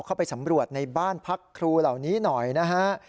เข้าไปสำรวจในบ้านพักครูเหล่านี้หน่อยนะฮะ